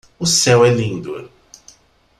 O céu é lindo.